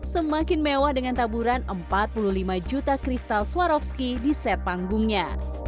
semakin mewah dengan taburan empat puluh lima juta kristal swarovski di set panggungnya